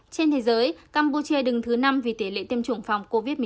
trên thế giới campuchia đứng thứ năm vì tỷ lệ tiêm chủng phòng covid một mươi chín